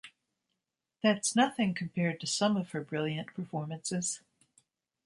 That's nothing compared to some of her brilliant performances.